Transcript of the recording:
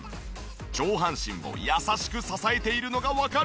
上半身を優しく支えているのがわかる！